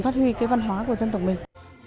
phát huy cái văn hóa của dân tộc mình